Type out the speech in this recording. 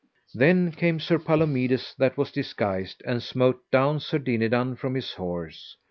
Then came Sir Palomides that was disguised, and smote down Sir Dinadan from his horse.